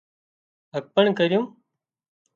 هٻڪڻ ڪرِيون